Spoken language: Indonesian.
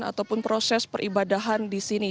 ataupun proses peribadahan di sini